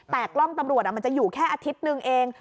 แต่กล้องตำรวจมันจะอยู่แค่อาทิตย์หนึ่งเอง